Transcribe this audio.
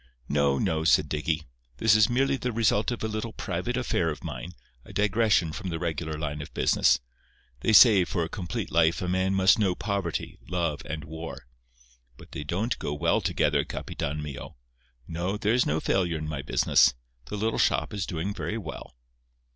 "No, no," said Dicky. "This is merely the result of a little private affair of mine, a digression from the regular line of business. They say for a complete life a man must know poverty, love and war. But they don't go well together, capitán mio. No; there is no failure in my business. The little shop is doing very well."